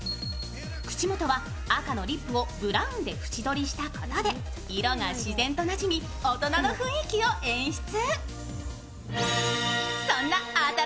口元は赤のリップをブラウンで縁取りしたことで色が自然となじみ、大人の雰囲気を演出。